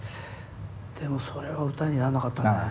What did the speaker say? でもそれは歌になんなかったね。